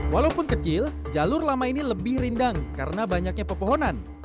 walaupun kecil jalur lama ini lebih rindang karena banyaknya pepohonan